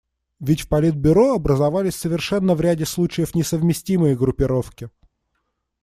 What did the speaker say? Ведь в Политбюро образовались совершенно в ряде случаев несовместимые группировки.